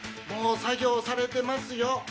作業されてます。